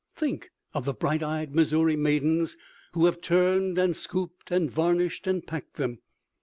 Think of the bright eyed Missouri maidens who have turned and scooped and varnished and packed them.